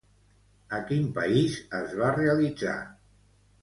A quin país es va realitzar?